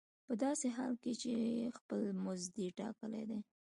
په داسې حال کې چې خپل مزد دې ټاکلی دی